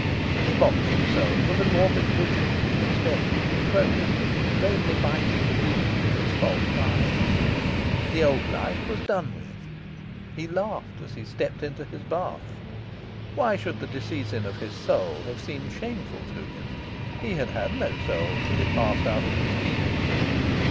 He mocked himself for the morbid vigil he had spent in probing and vainly binding the wounds of his false pride. The old life was done with. He laughed as he stepped into his bath. Why should the disseizin of his soul have seemed shameful to him? He had had no soul till it passed out of his keeping.